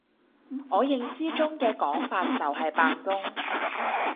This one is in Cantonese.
我認知中嘅講法就係扮工！